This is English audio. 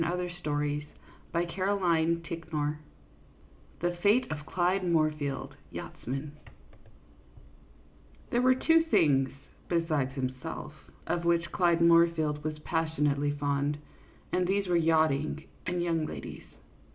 THE FATE OF CLYDE MOOR FIELD, YACHTSMAN THE FATE OF CLYDE MOOR FIELD, YACHTSMAN THERE were two things, besides himself, of which Clyde Moorfield was passionately fond, and these were yachting and young ladies.